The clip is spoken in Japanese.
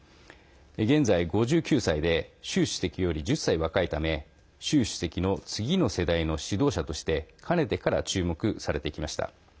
現在５９歳で習主席より１０歳若いため習主席の次の世代の指導者としてかねてから注目されてきました。